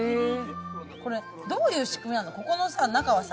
どういう仕組みなの？